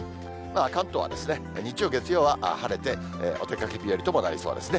関東は日曜、月曜は晴れて、お出かけ日和ともなりそうですね。